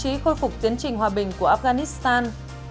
trí khôi phục tiến trình hòa bình của afghanistan